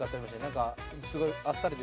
何かすごいあっさりで。